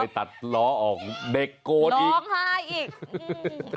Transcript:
ไปตัดล้อออกเด็กโกสร้องไห้อีก